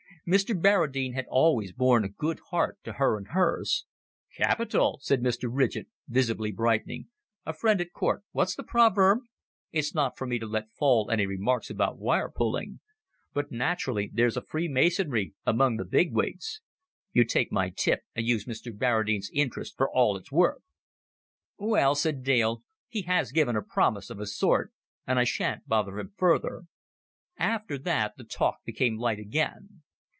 Mr. Barradine had always borne a good heart to her and hers. "Capital!" said Mr. Ridgett, visibly brightening. "A friend at court what's the proverb? It's not for me to let fall any remarks about wire pulling. But naturally there's a freemasonry among the bigwigs. You take my tip, and use Mr. Barradine's interest for all it's worth." "Well," said Dale, "he has given a promise of a sort and I shan't bother him further." After that the talk became light again.